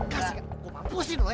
kasian gue mampusin lo ya